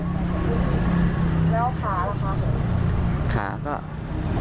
แล้วขาล่ะครับ